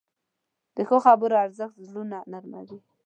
د ښو خبرو ارزښت زړونه نرموې.